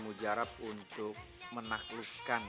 mujarab untuk menaklukkan